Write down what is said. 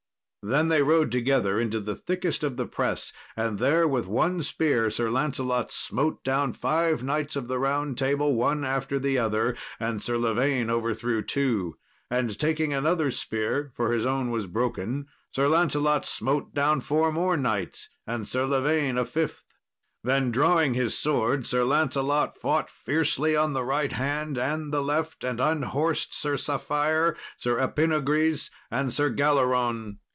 Then they rode together into the thickest of the press, and there, with one spear, Sir Lancelot smote down five Knights of the Round Table, one after other, and Sir Lavaine overthrew two. And taking another spear, for his own was broken, Sir Lancelot smote down four more knights, and Sir Lavaine a fifth. Then, drawing his sword, Sir Lancelot fought fiercely on the right hand and the left, and unhorsed Sir Safire, Sir Epinogris, and Sir Galleron.